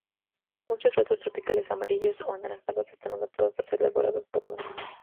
Muchos frutos tropicales amarillos o anaranjados están adaptados a ser devorados por monos.